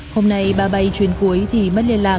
hôm nay ba bay chuyến cuối thì mất liên lạc